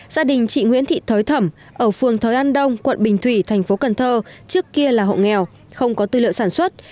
gia đình chị nguyễn thị thới thẩm ở phường thới an đông quận bình thủy tp cn trước kia là hộ nghèo không có tư lượng sản xuất